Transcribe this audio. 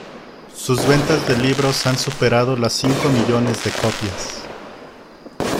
Sus ventas de libros han superado las cinco millones de copias.